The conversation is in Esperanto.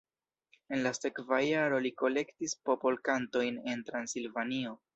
En la sekva jaro li kolektis popolkantojn en Transilvanio.